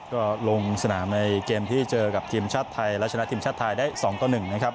ก็ลงสนามในเกมที่เจอกับทีมชาติไทยและชนะทีมชาติไทยได้๒ต่อ๑นะครับ